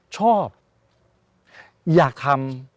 ชอบอยากทำ